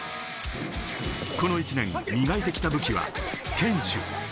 この１年、磨いてきた武器は堅守。